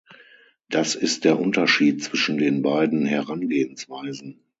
Das ist der Unterschied zwischen den beiden Herangehensweisen.